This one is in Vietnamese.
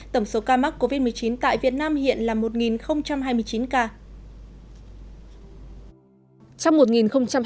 tổng số ca mắc covid một mươi chín tại việt nam hiện là một hai mươi chín ca